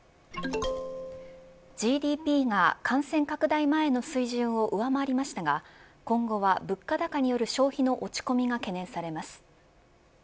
ＧＤＰが感染拡大前の水準を上回りましたが今後は物価高による消費の落ち込みが懸念されます。